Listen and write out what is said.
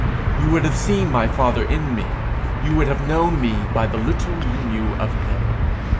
You would have seen my father in me; you would have known me by the little you knew of him.